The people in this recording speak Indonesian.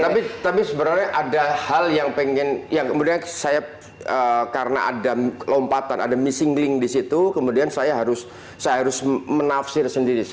tapi sebenarnya ada hal yang pengen yang kemudian saya karena ada lompatan ada missing link di situ kemudian saya harus menafsir sendiri